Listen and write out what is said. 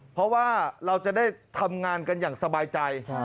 เพราะว่าเราจะได้ทำงานกันอย่างสบายใจ